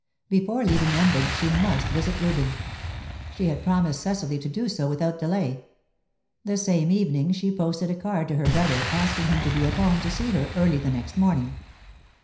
Before leaving London, she must visit Reuben; she had promised Cecily to do so without delay. This same evening she posted a card to her brother, asking him to be at home to see her early the next morning.